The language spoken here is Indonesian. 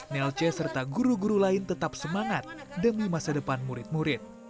nelce serta guru guru lain tetap semangat demi masa depan murid murid